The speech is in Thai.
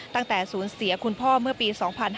ตั้งแต่ศูนย์เสียคุณพ่อเมื่อปี๒๕๕๙